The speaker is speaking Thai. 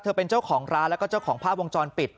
เป็นเจ้าของร้านแล้วก็เจ้าของภาพวงจรปิด